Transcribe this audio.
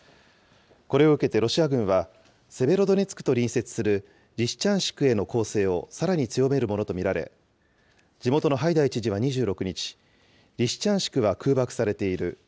これを受けてロシア軍は、セベロドネツクと隣接するリシチャンシクへのこうせいをさらにつよめるものと見られ、地元のハイダイ知事は２６日、リシチャンシクは空爆されている。